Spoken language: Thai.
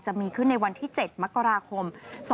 จะมีขึ้นในวันที่๗มกราคม๒๕๖